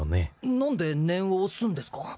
何で念を押すんですか？